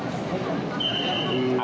akan nana dulu ya